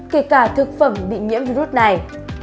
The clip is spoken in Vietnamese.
kể cả thực phẩm bị nhiễm virus này